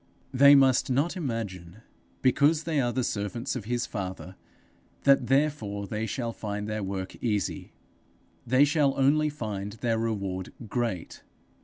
They must not imagine, because they are the servants of his father, that therefore they shall find their work easy; they shall only find the reward great.